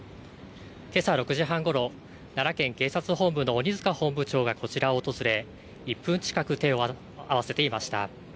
けさ６時半ごろ奈良県警察本部の鬼塚本部長がこちらを訪れ１分近く手を合わせていました。